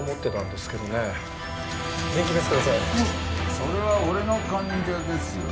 それは俺の患者ですよね？